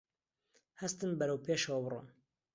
هەستن بەرەو پێشەوە بڕۆن